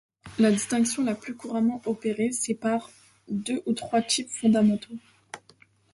La distinction la plus couramment opérée sépare deux ou trois types fondamentaux.